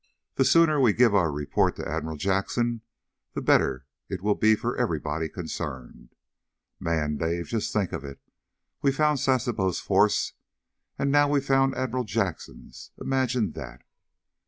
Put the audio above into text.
The sooner we give our report to Admiral Jackson the better it will be for everybody concerned. Man, Dave, just think of it! We found Sasebo's force, and now we've found Admiral Jackson's. Imagine that!"